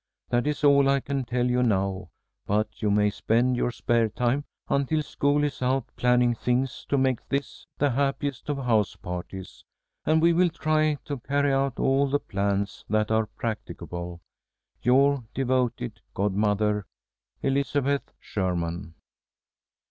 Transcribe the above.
That is all I can tell you now, but you may spend your spare time until school is out planning things to make this the happiest of house parties, and we will try to carry out all the plans that are practicable. Your devoted godmother, "ELIZABETH SHERMAN."